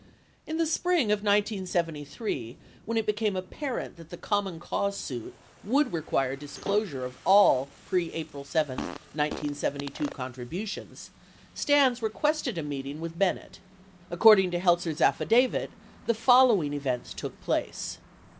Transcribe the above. In the Spring of 1973, when it became apparent that the Common Cause suit would require disclosure of all pre April 7, 1972 contribu tions, Stans requested a meeting with Bennett. According to Helt zer's affidavit, the following events took place.